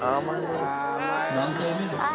何回目ですか？